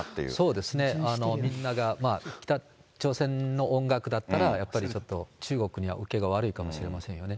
そうですね、北朝鮮の音楽だったら、ちょっと中国には受けが悪いかもしれませんよね。